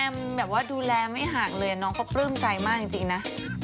แบบว่าดูแลไม่ห่างเลยน้องเขาปลื้มใจมากจริงนะ